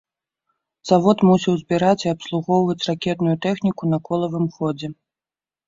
Завод мусіў збіраць і абслугоўваць ракетную тэхніку на колавым ходзе.